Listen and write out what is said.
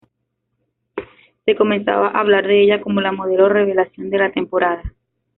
Se comenzaba a hablar de ella como la modelo revelación de la temporada.